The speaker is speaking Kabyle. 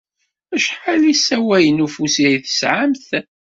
Acḥal n yisawalen n ufus ay tesɛamt?